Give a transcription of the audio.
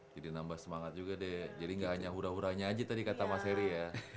jadi nambah semangat juga deh jadi gak hanya hura huranya aja tadi kata mas heri ya